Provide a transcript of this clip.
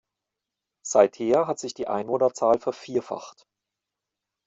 Seither hat sich die Einwohnerzahl vervierfacht.